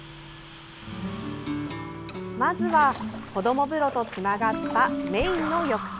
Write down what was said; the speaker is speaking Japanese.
まずは、こどもぶろとつながったメインの浴槽。